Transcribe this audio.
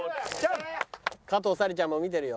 加藤紗里ちゃんも見てるよ。